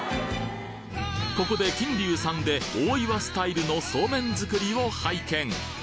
ここで金龍さんで大岩スタイルのそうめん作りを拝見